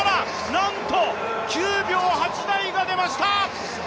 なんと９秒８台が出ました！